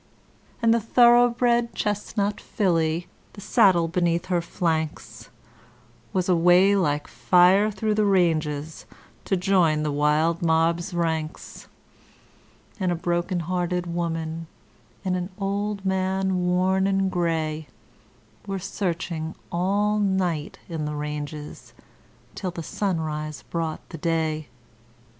And the thoroughbred chestnut filly, the saddle beneath her flanks, Was away like fire through the ranges to join the wild mob's ranks; And a broken hearted woman and an old man worn and grey Were searching all night in the ranges till the sunrise brought the day.